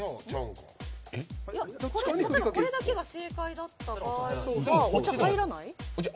例えば、これだけが正解だった場合はお茶入らない？